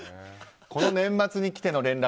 この年末にきての連絡。